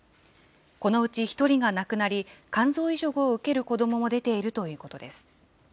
このうち１人が亡くなり、肝臓移植を受ける子どもも出ているということです。